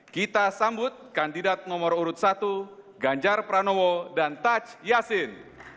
kita sambut kandidat nomor urut satu ganjar pranowo dan taj yassin